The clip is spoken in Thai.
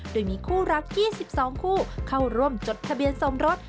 โดยมีคู่รัก๒๒คู่เข้าร่วมจดทะเบียนสมรส